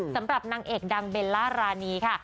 สำหรับนางเอกดังเบลล่ารานีค่ะ